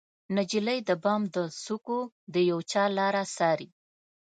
نجلۍ د بام د څوکو د یوچا لاره څارې